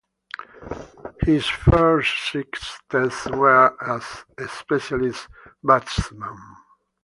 His first six Tests were as a specialist batsman.